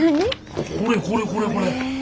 これこれこれこれ。